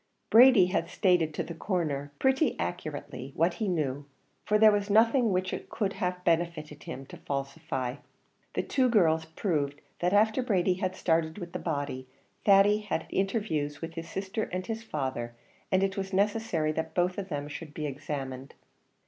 Brady had stated to the Coroner pretty accurately what he knew, for there was nothing which it could have benefited him to falsify. The two girls proved that after Brady had started with the body, Thady had had interviews with his sister and his father, and it was necessary that both of them should be examined.